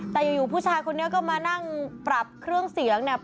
แต่อยู่ผู้ชายคนนี้ก็มานั่งปรับเครื่องเสียงเนี่ย